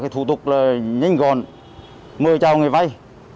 thủ tục là nhanh gọn mời chào người vay